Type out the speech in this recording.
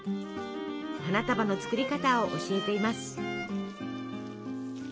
花束の作り方を教えています。